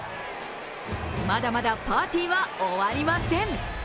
まだまだパーティーは終わりません。